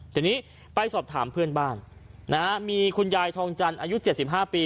ทีนี้ไปสอบถามเพื่อนบ้านนะฮะมีคุณยายทองจันทร์อายุ๗๕ปี